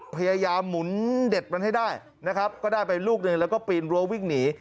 หมุนเด็ดมันให้ได้นะครับก็ได้ไปลูกหนึ่งแล้วก็ปีนรั้ววิ่งหนี